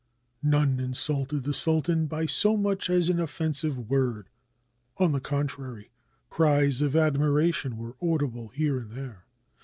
None insulted the sultan by so much as an offensive word; on the contrary, cries of admiration were audible here and there.